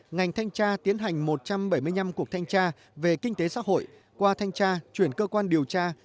ngành thanh tra tiến hành một trăm bảy mươi năm cuộc thanh tra về kinh tế xã hội qua thanh tra chuyển cơ quan điều tra